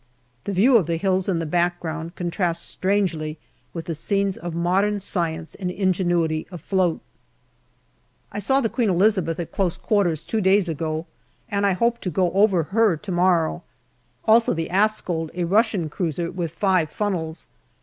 The view of the hills in the background contrasts strangely with the scenes of modern science and ingenuity afloat. I saw the Queen Elizabeth at close quarters two days ago, and I hope to go over her to morrow. Also the Askold, a Russian cruiser, with five funnels.